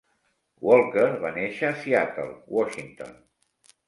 Walker va néixer a Seattle, Washington.